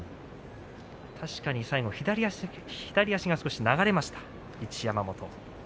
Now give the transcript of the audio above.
確かに最後左足が少し流れました、一山本。